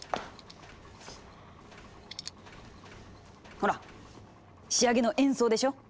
ほら仕上げの演奏でしょ！